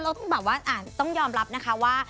ต้องแบบว่าต้องยอมรับนะคะว่า